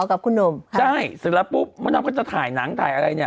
อ๋อกับคุณหนุ่มใช่ซึ่งแล้วปุ๊บมันน้ำก็จะถ่ายหนังถ่ายอะไรเนี้ย